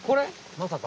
まさか。